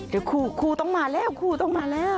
เดี๋ยวครูต้องมาแล้วครูต้องมาแล้ว